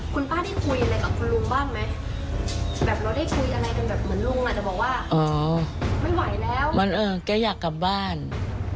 ก่อนที่คุณหมอจะฉีดยาคุณป้าได้คุยอะไรกับคุณลุงบ้างมั้ยแบบเราได้คุยอะไรกันแบบเหมือนลุงล่ะแต่บอกว่าอ๋อไม่ไหวแล้วมันเอิญ